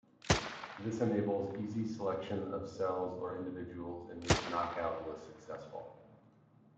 This enables easy selection of cells or individuals in which knockout was successful.